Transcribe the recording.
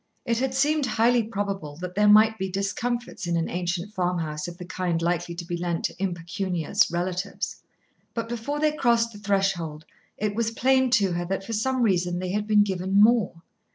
It had seemed highly probable that there might be discomforts in an ancient farmhouse of the kind likely to be lent to impecunious relatives. But before they crossed the threshold it was plain to her that, for some reason, they had been given more.